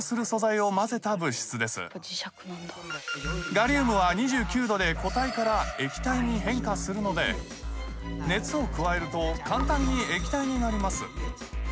ガリウムは２９度で固体から液体に変化するので熱を加えると簡単に液体になります。